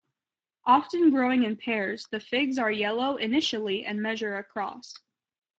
Often growing in pairs, the figs are yellow initially and measure across.